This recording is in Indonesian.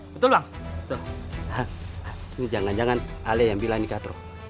pasar genjing betul betul lang jangan jangan ala yang bilang katruh